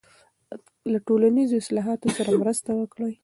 له ټولنیزو اصلاحاتو سره مرسته وکړئ.